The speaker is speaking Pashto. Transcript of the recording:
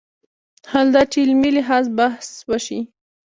حال دا چې علمي لحاظ بحث وشي